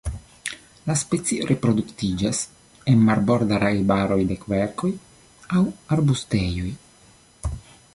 La specio reproduktiĝas en marbordaj arbaroj de kverkoj aŭ arbustejoj.